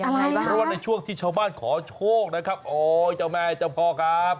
อะไรบ้างเพราะว่าในช่วงที่ชาวบ้านขอโชคนะครับโอ้ยเจ้าแม่เจ้าพ่อครับ